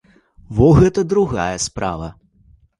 Во гэта другая справа.